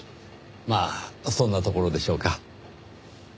まあそんなところでしょうか。